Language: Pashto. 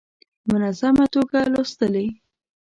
منظمه توګه لوستلې.